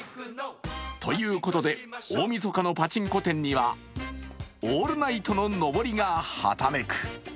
ということで、大みそかのパチンコ店にはオールナイトの上りがはためく。